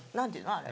あれ。